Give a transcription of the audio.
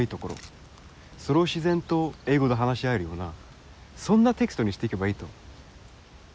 それを自然と英語で話し合えるようなそんなテキストにしていけばいいと。